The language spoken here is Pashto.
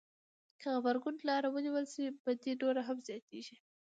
که غبرګون لاره ونیول شي بدي نوره هم زياتېږي.